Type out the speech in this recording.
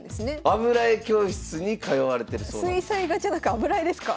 油絵教室に通われてるそうなんですよ。